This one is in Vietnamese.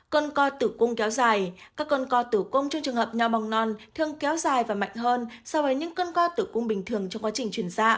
cơn co tử cung kéo dài các con co tử cung trong trường hợp nho mầm non thường kéo dài và mạnh hơn so với những cơn co tử cung bình thường trong quá trình chuyển dạ